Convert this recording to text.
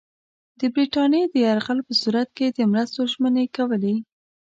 د برټانیې د یرغل په صورت کې د مرستو ژمنې کولې.